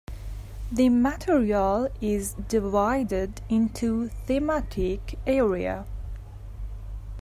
The material is divided into thematic areas.